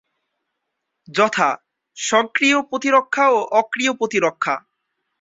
যথাঃ সক্রিয় প্রতিরক্ষা ও অক্রিয় প্রতিরক্ষা।